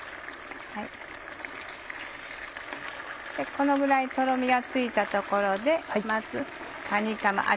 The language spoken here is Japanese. このぐらいとろみがついたところでまずかにかま味